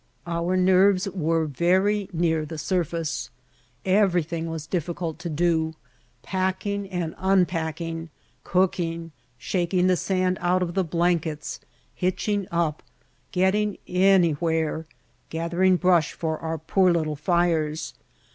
Our nerves were very near the sur face. Everything was difficult to do, packing and unpacking, cooking, shaking the sand out of the blankets, hitching up, getting anywhere, gathering brush for our poor little fires.